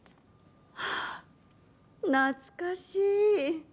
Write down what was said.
懐かしい。